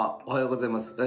おはようございます。